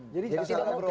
jadi salah prabowo